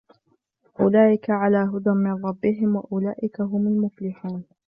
أولئك على هدى من ربهم وأولئك هم المفلحون